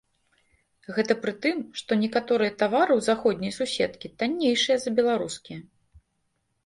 Гэта пры тым, што некаторыя тавары ў заходняй суседкі таннейшыя за беларускія.